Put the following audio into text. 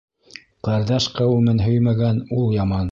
Ҡәрҙәш-ҡәүемен һөймәгән ул яман.